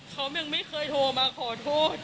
เขายังไม่เคยโทรมาขอโทษ